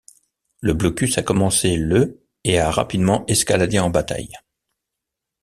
Le blocus a commencé le et a rapidement escaladé en bataille.